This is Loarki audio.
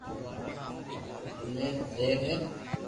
تني زبر ھي